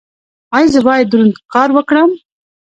ایا زه باید دروند کار وکړم؟